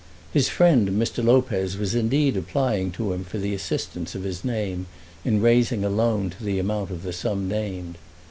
His friend Mr. Lopez was indeed applying to him for the assistance of his name in raising a loan to the amount of the sum named.